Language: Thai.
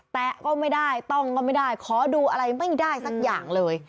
แตะก็ไม่ได้ต้องก็ไม่ได้ขอดูอะไรไม่ได้สักอย่างเลย